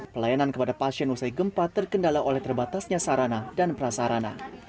pelayanan kepada pasien usai gempa terkendala oleh terbatasnya sarana dan prasarana